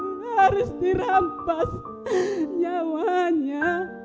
harus dirampas nyawanya